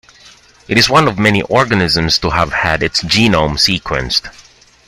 It is one of many organisms to have had its genome sequenced.